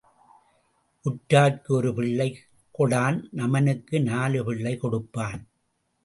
உற்றார்க்கு ஒரு பிள்ளை கொடான் நமனுக்கு நாலு பிள்ளை கொடுப்பான்.